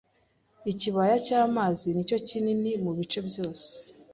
Ikibaya cy'amazi nicyo kinini mu bice byose